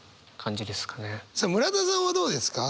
さあ村田さんはどうですか？